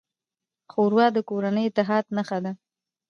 ښوروا د کورني اتحاد نښه ده.